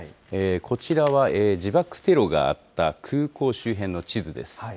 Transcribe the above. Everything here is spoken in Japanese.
こちらは自爆テロがあった空港周辺の地図です。